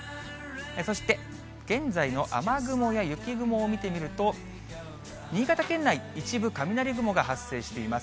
そして、現在の雨雲や雪雲を見てみると、新潟県内、一部、雷雲が発生しています。